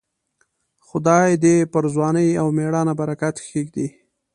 خدای دې پر ځوانۍ او مړانه برکت کښېږدي.